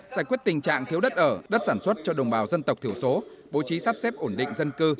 giải quyết tình trạng thiếu đất ở đất sản xuất cho đồng bào dân tộc thiểu số bố trí sắp xếp ổn định dân cư